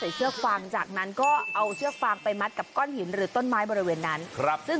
เอาเผื่อฟังจากงั้นก็เอาเผื่อฟังไปมัดกับก้อนหินหรือต้นไม้บริเวณนั้น